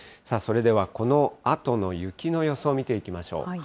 それではこのあとの雪の予想を見ていきましょう。